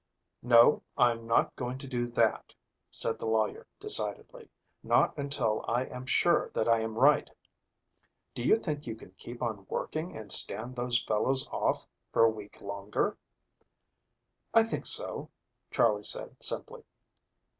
"No, I'm not going to do that," said the lawyer decidedly, "not until I am sure that I am right. Do you think you can keep on working and stand those fellows off for a week longer?" "I think so," Charley said simply.